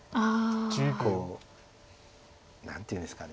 こう何ていうんですか。